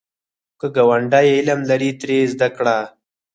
که ګاونډی علم لري، ترې زده کړه